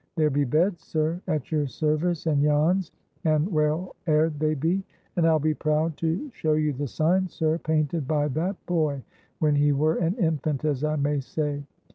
There be beds, sir, at your service and Jan's, and well aired they be. And I'll be proud to show you the sign, sir, painted by that boy when he were an infant, as I may say.